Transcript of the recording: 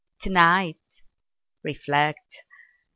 tonight? Reflect.